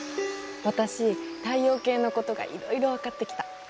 私太陽系のことがいろいろ分かってきた。